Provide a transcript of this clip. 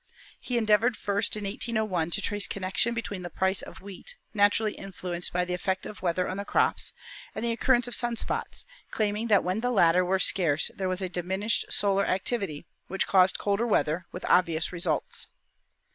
He endeavored first in 1801 to trace connection between the price of wheat, natu rally influenced by the effect of weather on the crops, and the occurrence of sun spots, claiming that when the latter were scarce there was a diminished solar activity, which caused colder weather, with obvious results.